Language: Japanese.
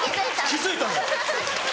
気付いたの。